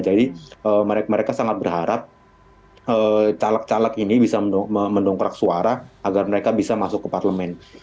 jadi mereka sangat berharap caleg caleg ini bisa mendongkrak suara agar mereka bisa masuk ke parlemen